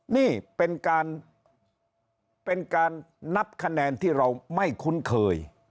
นี่เป็นการเป็นการนับคะแนนที่เราไม่คุ้นเคย